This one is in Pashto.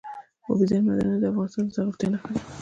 اوبزین معدنونه د افغانستان د زرغونتیا نښه ده.